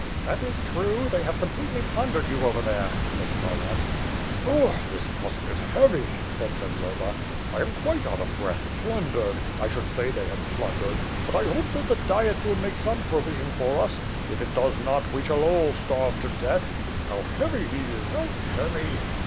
"That is true. They have completely plundered you over there," said Kharlamp. "Ugh! This Cossack is heavy," said Zagloba. "I am quite out of breath. Plundered! I should say they had plundered. But I hope that the Diet will make some pro vision for us. If it does not, we shall all starve to death. .. How heavy he is, how heavy!